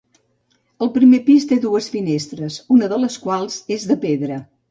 El primer pis té dues finestres, una de les quals és de pedra.